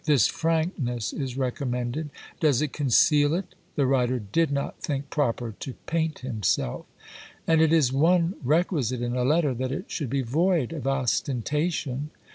This frankness is recommended. Does it conceal it? The writer did not think proper to paint himself; and it is one requisite in a letter, that it should be void of ostentation.